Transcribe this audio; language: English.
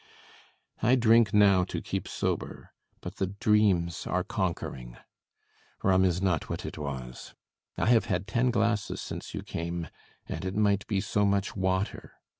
I drink now to keep sober; but the dreams are conquering: rum is not what it was: I have had ten glasses since you came; and it might be so much water.